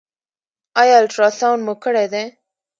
ایا الټراساونډ مو کړی دی؟